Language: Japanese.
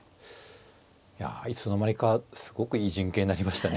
いやいつの間にかすごくいい陣形になりましたね。